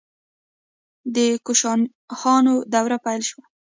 د کوشانشاهانو دوره پیل شوه